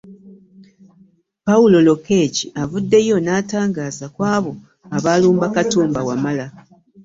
Paul Lokech avuddeyo n'atangaaza ku abo abaalumba Katumba Wamala.